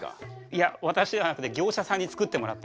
いや私じゃなくて業者さんに作ってもらったやつです。